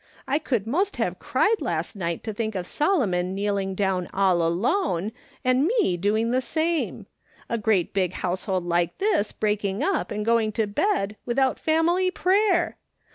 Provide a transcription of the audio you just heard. I could most have cried last night to think of Solomon kneeling down all alone, and me doing the same, A great big household like this breaking up and going to bed without family prayer